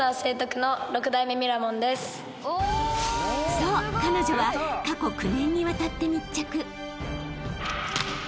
［そう彼女は過去９年にわたって密着］